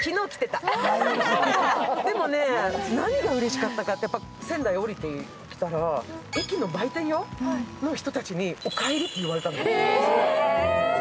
でもね、何がうれしかったかというと仙台降りたら駅の売店の人たちに、「おかえり」って言われたの。